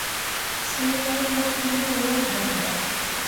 Siŋ mai mo heme yo bakbak.